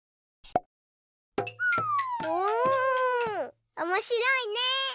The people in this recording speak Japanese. おおおもしろいね！